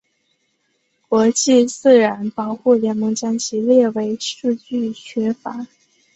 国际自然保护联盟将其列为数据缺乏。